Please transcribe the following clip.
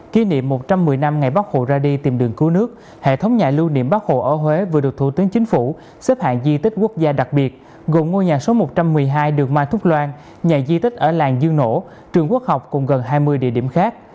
kỷ niệm một trăm một mươi năm ngày bắc hồ ra đi tìm đường cứu nước hệ thống nhà lưu niệm bắc hồ ở huế vừa được thủ tướng chính phủ xếp hạng di tích quốc gia đặc biệt gồm ngôi nhà số một trăm một mươi hai đường mai thúc loan nhà di tích ở làng dương nổ trường quốc học cùng gần hai mươi địa điểm khác